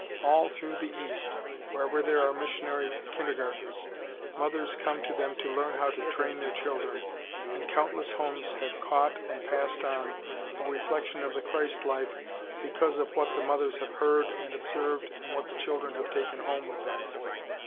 All through the East, wherever there are missionary kindergartens, mothers come to them to learn how to train their children, and countless homes have caught and passed on a reflection of the Christ life because of what the mothers have heard and observed and what the children have taken home with them.